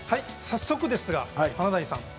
早速ですが華大さん